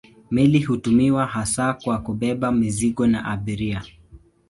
Meli hutumiwa hasa kwa kubeba mizigo na abiria.